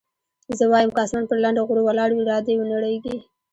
زه وايم که اسمان پر لنډه غرو ولاړ وي را دې ونړېږي.